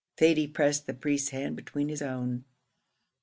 Thady pressed the priest's hand between his own.